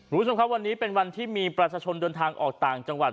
คุณผู้ชมครับวันนี้เป็นวันที่มีประชาชนเดินทางออกต่างจังหวัด